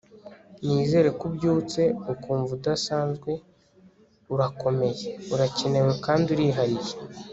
nizere ko ubyutse ukumva udasanzwe urakomeye, urakenewe kandi urihariye